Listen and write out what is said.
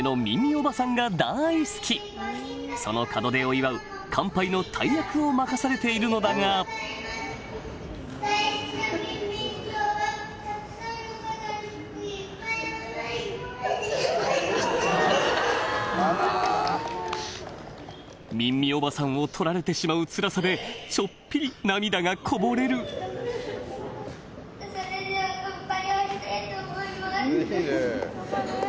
おばさんがだい好きその門出を祝う乾杯の大役を任されているのだがミンミおばさんを取られてしまうつらさでちょっぴり涙がこぼれる乾杯！